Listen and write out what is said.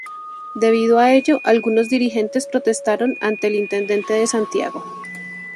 Debido a ello, algunos dirigentes protestaron ante el Intendente de Santiago.